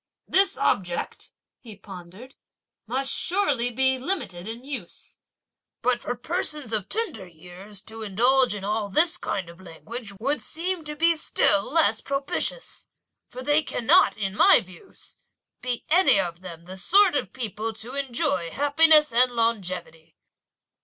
"This object," he pondered, "must surely be limited in use! But for persons of tender years to indulge in all this kind of language, would seem to be still less propitious; for they cannot, in my views, be any of them the sort of people to enjoy happiness and longevity!"